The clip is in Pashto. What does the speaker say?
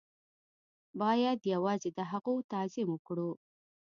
بايد يوازې د هغو تعظيم وکړو.